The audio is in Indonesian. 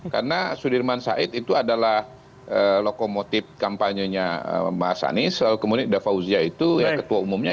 karena sudirman said itu adalah lokomotif kampanye nya mas anies lalu kemudian ida fauzia itu ya ketua umumnya